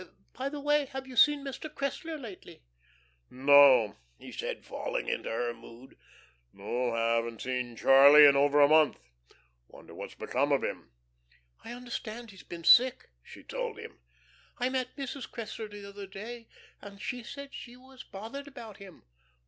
By the way, have you seen Mr. Cressler lately?" "No," he said, falling into her mood. "No haven't seen Charlie in over a month. Wonder what's become of him?" "I understand he's been sick," she told him. "I met Mrs. Cressler the other day, and she said she was bothered about him."